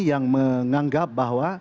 yang menganggap bahwa